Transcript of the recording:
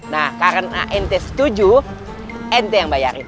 nah karena ante setuju ante yang bayarin